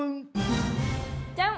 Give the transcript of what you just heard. じゃん。